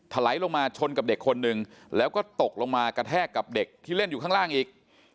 ไหลลงมาชนกับเด็กคนหนึ่งแล้วก็ตกลงมากระแทกกับเด็กที่เล่นอยู่ข้างล่างอีก